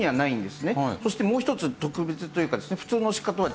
そしてもう一つ特別というかですね。